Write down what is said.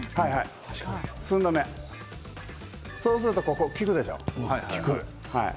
そうすると効くでしょう。